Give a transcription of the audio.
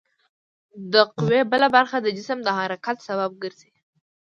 د قوې بله برخه د جسم د حرکت سبب ګرځي.